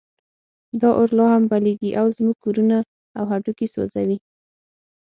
دا اور لا هم بلېږي او زموږ کورونه او هډوکي سوځوي.